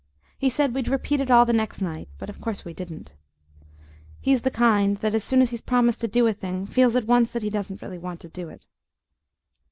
He said we'd repeat it all the next night, but of course we didn't. He's the kind that, as soon as he's promised to do a thing, feels at once that he doesn't really want to do it.